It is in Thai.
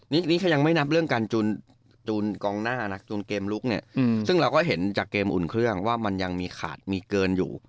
นี่ถ้ายังไม่นับเรื่องการจูนกองหน้านะจูนเกมลุกเนี่ยซึ่งเราก็เห็นจากเกมอุ่นเครื่องว่ามันยังมีขาดมีเกินอยู่